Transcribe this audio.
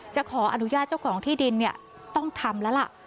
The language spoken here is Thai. จะขออนุญาตเจ้าของที่ดินเนี่ยต้องทำแล้วล่ะ